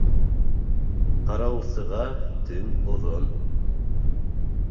Ҡарауылсыға тән оҙон.